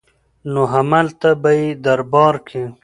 نو هملته به يې دربار کې